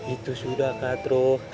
itu sudah kak trok